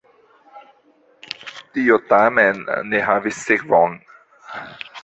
Tio tamen ne havis sekvon.